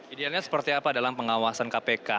idealnya seperti apa dalam pengawasan kpk